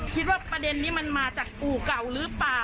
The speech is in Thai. ประเด็นนี้มันมาจากอู่เก่าหรือเปล่า